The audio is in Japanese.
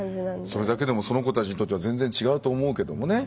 それだけでもその子たちにとっては全然違うと思うけどもね。